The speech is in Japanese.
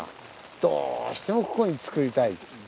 どうしてもここにつくりたい。